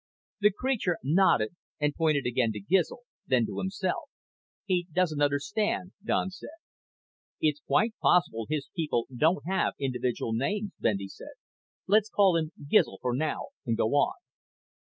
The creature nodded and pointed again to GIZL, then to himself, "He doesn't understand," Don said. "It's quite possible his people don't have individual names," Bendy said. "Let's call him Gizl for now and go on."